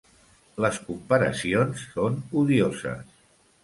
Les comparacions són odioses.